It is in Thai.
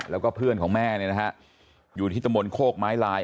แล้วก็เพื่อนของแม่เนี่ยนะฮะอยู่ที่ตะมนต์โคกไม้ลาย